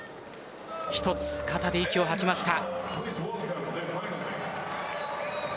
一つ、肩で息を吐きました。